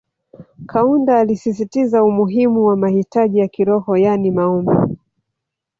Kaunda alisisitiza umuhimu wa mahitaji ya kiroho yani Maombi